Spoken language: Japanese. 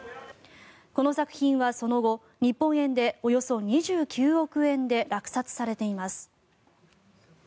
この作品はその後日本円でおよそ２９億円で落札されています。